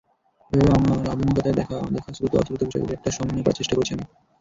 এভাবে আমার আধুনিকতায় দেখা-অদেখা-শ্রুত-অশ্রুত বিষয়াবলির একটা সমন্বয় করার চেষ্টা করেছি আমি।